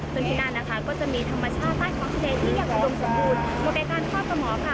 จนที่นั้นนะคะก็จะมีธรรมชาติใต้ท้องทะเลที่อย่างลงสมบูรณ์โมกัยการทอดสมองค่ะ